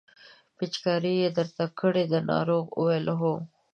پېچکاري یې درته کړې ده ناروغ وویل هو.